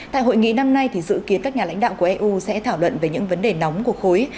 tại hội nghị năm nay dự kiến các nhà lãnh đạo của eu sẽ thảo luận về những vấn đề nóng của khối